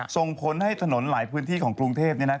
ส่งผลให้ถนนหลายพื้นที่ของกรุงเทพ